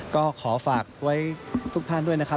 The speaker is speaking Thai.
ก็ขอฝากไว้ทุกท่านด้วยนะครับ